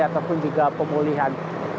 ataupun juga pemulihan